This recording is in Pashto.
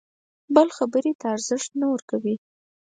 د بل خبرې ته ارزښت نه ورکوي.